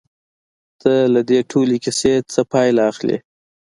ته له دې ټولې کيسې څه پايله اخلې؟